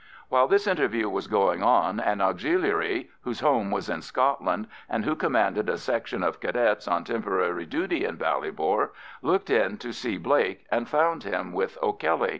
While this interview was going on an Auxiliary, whose home was in Scotland, and who commanded a section of Cadets on temporary duty in Ballybor, looked in to see Blake and found him with O'Kelly.